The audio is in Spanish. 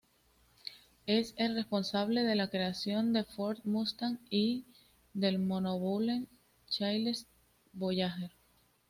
Es el responsable de la creación del Ford Mustang y del monovolumen Chrysler Voyager.